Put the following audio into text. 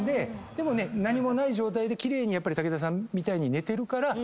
でも何もない状態で奇麗に武田さんみたいに寝てるからいいです。